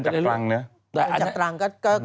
แต่เขาเดินจากกรังเนี่ย